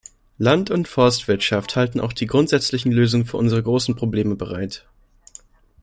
Land- und Forstwirtschaft halten auch die grundsätzlichen Lösungen für unsere großen Probleme bereit.